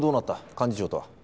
幹事長とは。